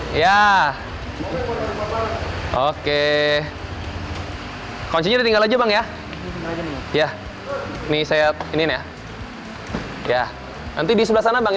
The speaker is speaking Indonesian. oh ya oke koncinya tinggal aja bang ya ya ini saya ini ya ya nanti di sebelah sana bang